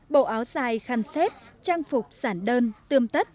bộ áo dài khăn xếp trang phục sản đơn tươm tắt